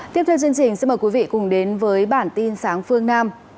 tiếp theo chương trình xin mời quý vị cùng đến với bản tin sáng phương nam